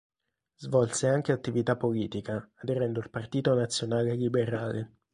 Svolse anche attività politica aderendo al Partito Nazionale Liberale.